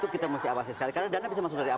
kita mesti awasi sekali karena dana bisa masuk